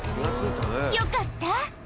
よかった。